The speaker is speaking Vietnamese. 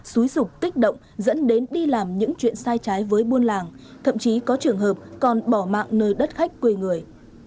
xúi rục kích động dẫn đến đi làm những chuyện sai trái với buôn làng thậm chí có trường hợp còn bỏ mạng nơi đất khách quê người